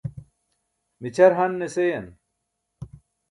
mićʰar han ne seyan